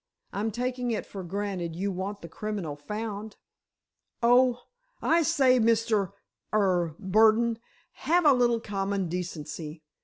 I'm taking it for granted you want the criminal found?" "Oh—I say, Mr.—er—Burdon, have a little common decency!